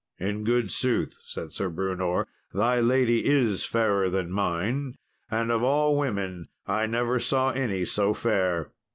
"In good sooth," said Sir Brewnor, "thy lady is fairer than mine, and of all women I never saw any so fair.